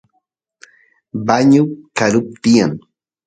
bañu karup tiyan